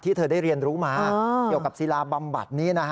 เธอได้เรียนรู้มาเกี่ยวกับศิลาบำบัดนี้